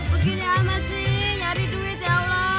begini amat sih nyari duit ya allah